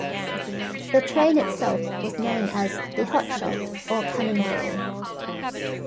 The train itself was known as the "Hot Shot" or "Cannonball".